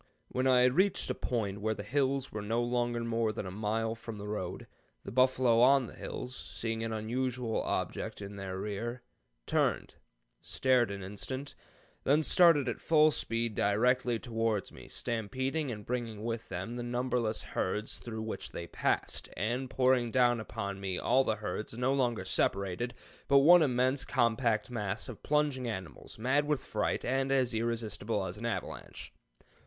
When I had reached a point where the hills were no longer more than a mile from the road, the buffalo on the hills, seeing an unusual object in their rear, turned, stared an instant, then started at full speed directly towards me, stampeding and bringing with them the numberless herds through which they passed, and pouring down upon me all the herds, no longer separated, but one immense compact mass of plunging animals, mad with fright, and as irresistible as an avalanche.